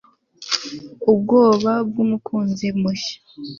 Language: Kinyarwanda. Ubwoba bwumukunzi mushya